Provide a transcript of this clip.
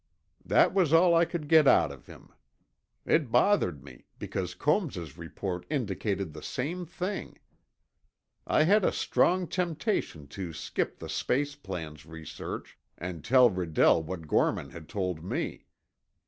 That was all I could get out of him. It bothered me, because Combs's report indicated the same thing. I had a strong temptation to skip the space plans research and tell Redell what Gorman had told me.